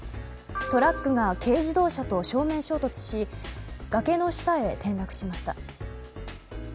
トラックが軽自動車と正面衝突し崖の下へ転落しました。